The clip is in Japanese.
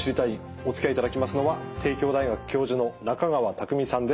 おつきあいいただきますのは帝京大学教授の中川匠さんです。